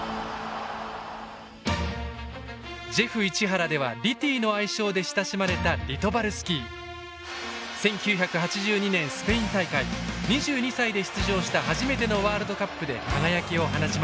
ジェフ市原では「リティ」の愛称で親しまれた１９８２年スペイン大会２２歳で出場した初めてのワールドカップで輝きを放ちました。